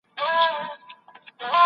څوک د بې کوره حیواناتو پالنه کوي؟